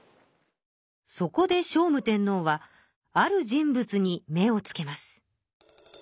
そこで聖武天皇はある人物に目をつけます。